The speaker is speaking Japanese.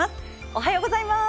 おはようございます。